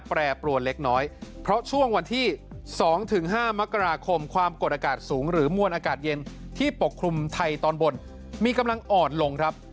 แปรปรวนเล็กน้อยเพราะช่วงวันที่๒๕มกราคมความกดอากาศสูงหรือมวลอากาศเย็นที่ปกคลุมไทยตอนบนมีกำลังอ่อนลงครับ